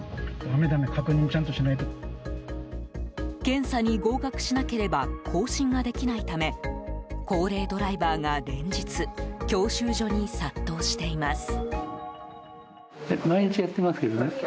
検査に合格しなければ更新ができないため高齢ドライバーが連日教習所に殺到しています。